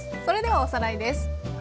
それではおさらいです。